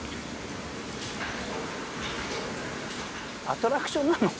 アトラクションなの？